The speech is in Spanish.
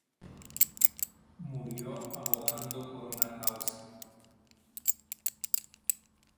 Murió abogando por su causa.